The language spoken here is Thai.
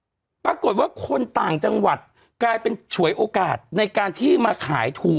ปรากฏว่าคนต่างจังหวัดกลายเป็นฉวยโอกาสในการที่มาขายถูก